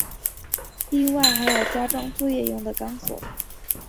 另外还有加装作业用的钢索。